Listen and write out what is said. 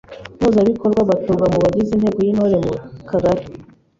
Mpuzabikorwa batorwa mu bagize Inteko y’Intore mu Kagari.